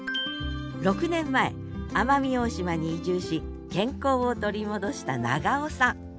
６年前奄美大島に移住し健康を取り戻した長尾さん。